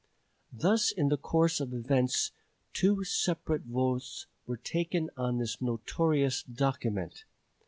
Thus in the course of events two separate votes were taken on this notorious document.